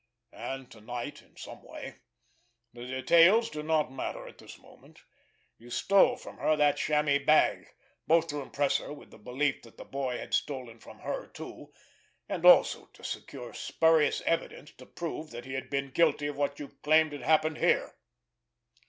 And to night in some way—the details do not matter at this moment—you stole from her that chamois bag, both to impress her with the belief that the boy had stolen from her too, and also to secure spurious evidence to prove that he had been guilty of what you claimed had happened here."